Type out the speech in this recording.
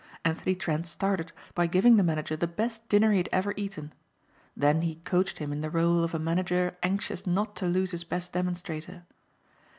Anthony Trent started by giving the manager the best dinner he had ever eaten. Then he coached him in the rôle of a manager anxious not to lose his best demonstrator.